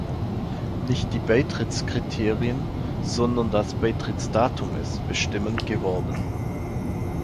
Nicht die Beitrittskriterien, sondern das Beitrittsdatum ist bestimmend geworden.